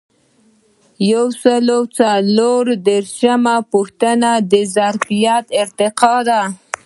یو سل او څلور دیرشمه پوښتنه د ظرفیت ارتقا ده.